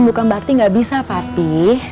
bukan berarti nggak bisa pati